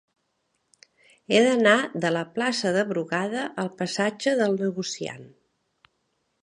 He d'anar de la plaça de Brugada al passatge del Negociant.